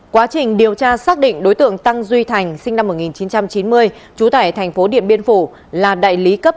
quá trình điều tra xác định đối tượng tăng duy thành sinh năm một nghìn chín trăm chín mươi trú tại thành phố điện biên phủ là đại lý cấp